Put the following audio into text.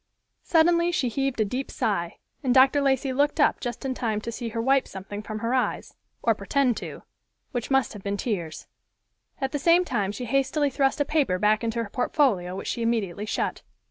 Suddenly she heaved a deep sigh, and Dr. Lacey looked up just in time to see her wipe something from her eyes, or pretend to, which must have been tears. At the same time she hastily thrust a paper back into her portfolio, which she immediately shut.